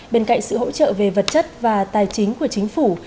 bên cạnh sự hỗ trợ về vật chất và tài chính của chính phủ